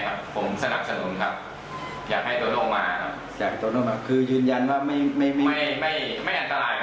ถ้าคนที่ไม่ลงไปว่ายไปเล่นไม่สัมผัสก็ไม่รู้ก็คิดว่าอันตราย